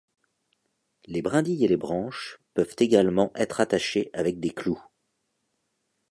Les brindilles et les branches peuvent également être attachées avec des clous.